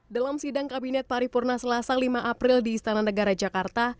dalam sidang kabinet paripurna selasa lima april di istana negara jakarta